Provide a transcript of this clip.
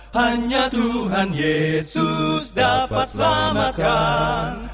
hanya tuhan yesus dapat selamatkan